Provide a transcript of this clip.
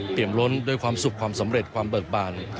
ล้นด้วยความสุขความสำเร็จความเบิกบาน